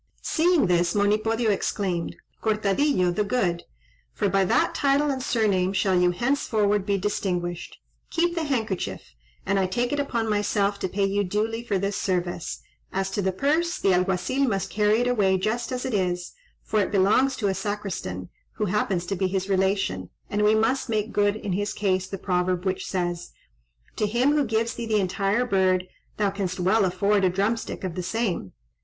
Seeing this, Monipodio exclaimed "Cortadillo the Good! for by that title and surname shall you henceforward be distinguished. Keep the handkerchief, and I take it upon myself to pay you duly for this service; as to the purse, the Alguazil must carry it away just as it is, for it belongs to a Sacristan who happens to be his relation, and we must make good in his case the proverb, which says, 'To him who gives thee the entire bird, thou canst well afford a drumstick of the same.'